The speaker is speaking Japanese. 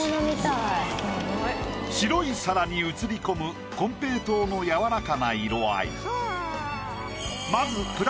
白い皿に映り込む金平糖の柔らかな色合い。